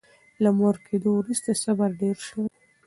له مور کېدو وروسته صبر ډېر شوی.